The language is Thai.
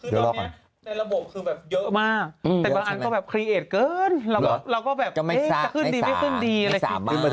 มีพวกครั้งนี้ในระบบ